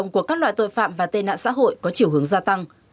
các loại tội phạm và tên nạn xã hội có chiều hướng gia tăng